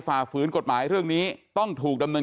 ฝ่าฝืนกฎหมายเรื่องนี้ต้องถูกดำเนิน